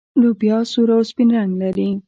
لوبیا سور او سپین رنګ لري.